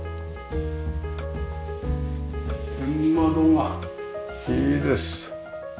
天窓がいいです。